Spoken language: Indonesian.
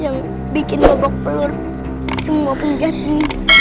yang bikin bobok pelur semua pun jadi